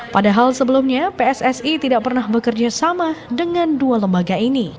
padahal sebelumnya pssi tidak pernah bekerja sama dengan dua lembaga ini